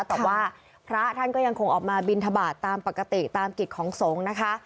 แต่ว่าพระท่านก็ยังคงออกมาบินทบาทตามปกติตามกิจของสงฆ์นะคะ